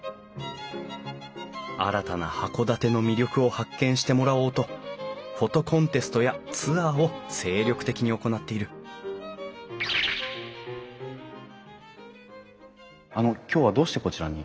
新たな函館の魅力を発見してもらおうとフォトコンテストやツアーを精力的に行っているあの今日はどうしてこちらに？